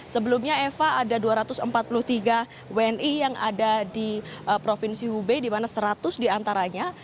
sebelumnya eva ada dua ratus empat puluh tiga wni yang ada di provinsi hubei di mana seratus diantaranya